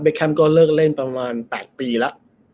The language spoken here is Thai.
ประมาณ๘ปีแล้ว